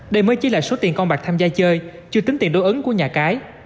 đây mới chỉ là số tiền con bạc tham gia chơi chưa tính tiền đối ứng của nhà cái